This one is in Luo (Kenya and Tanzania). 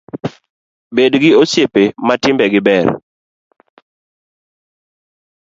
Bed gi osiepe ma timbe gi ber